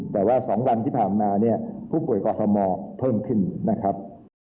แต่ว่า๒วันที่ผ่านมาเนี่ยผู้ป่วยกอทมเพิ่มขึ้นนะครับ